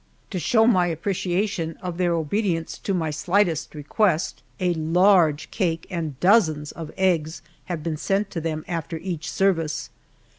To show my appreciation of their obedience to my slightest request, a large cake and dozens of eggs have been sent to them after each service.